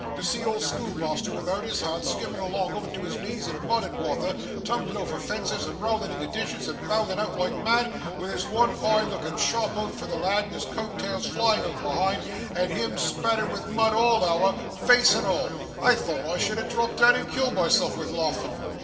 To see old schoolmeasther wi'out his hat, skimming along oop to his knees in mud and wather, tumbling over fences, and rowling into ditches, and bawling oot like mad, wi' his one eye looking sharp out for the lad, and his coat tails flying out behind, and him spattered wi' mud all ower, face and all! I tho't I should ha' dropped doon, and killed myself wi' laughing.